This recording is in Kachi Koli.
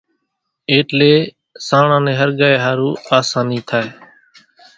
اٽلي سانڻان نين ۿرڳايا ۿارُو آساني ٿائي۔